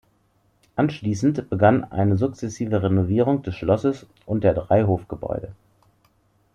Anschließend begann eine sukzessive Renovierung des Schlosses und der drei Hofgebäude.